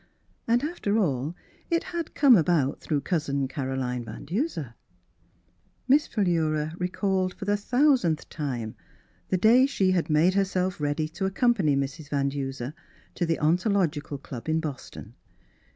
And after all, it had come about through Cousin Caroline Van Duser. Miss Philura recalled for the thou sandth time the day she had made herself ready to accompany Mrs. Van Duser to the Ontological Club in Boston.